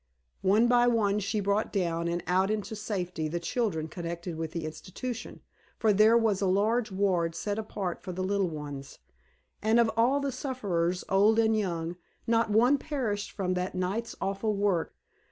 One by one, she brought down and out into safety the children connected with the institution, for there was a large ward set apart for little ones; and of all the sufferers, old and young, not one perished from that night's awful work.